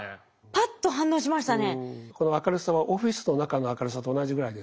パッと反応しましたね。